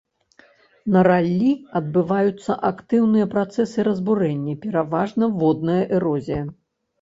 На раллі адбываюцца актыўныя працэсы разбурэння, пераважна водная эрозія.